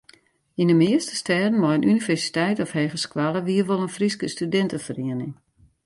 Yn de measte stêden mei in universiteit of hegeskoalle wie wol in Fryske studinteferiening.